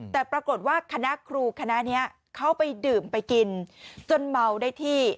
แต่ปรากฏว่าคณะครูคณะนี้เขาไปดื่มไปกินจนเมาได้ที่